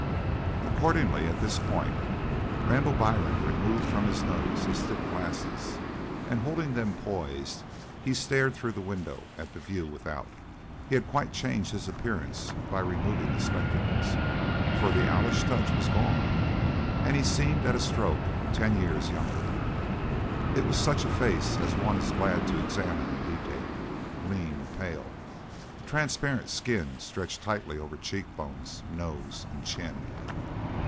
Accordingly, at this point Randall Byrne removed from his nose his thick glasses and holding them poised he stared through the window at the view without. He had quite changed his appearance by removing the spectacles, for the owlish touch was gone and he seemed at a stroke ten years younger. It was such a face as one is glad to examine in detail, lean, pale, the transparent skin stretched tightly over cheekbones, nose, and chin.